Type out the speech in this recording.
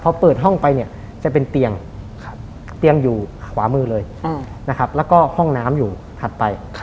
พอเปิดห้องไปเนี่ยจะเป็นเตียงเตียงอยู่ขวามือเลยนะครับแล้วก็ห้องน้ำอยู่ถัดไป